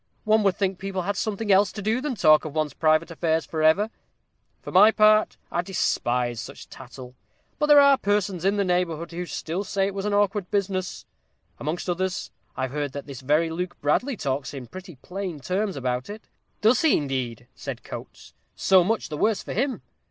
One would think people had something else to do than talk of one's private affairs for ever. For my part, I despise such tattle. But there are persons in the neighborhood who still say it was an awkward business. Amongst others, I've heard that this very Luke Bradley talks in pretty plain terms about it." "Does he, indeed?" said Coates. "So much the worse for him.